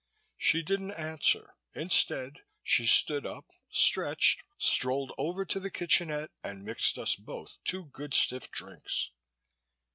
She didn't answer. Instead, she stood up, stretched, strolled over to the kitchenette and mixed us both two good stiff drinks.